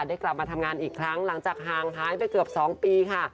กลับมาทำงานอีกครั้งหลังจากห่างหายไปเกือบ๒ปีค่ะ